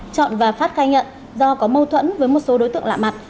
chọn và phát khai nhận do có mâu thuẫn với một số đối tượng lạ mặt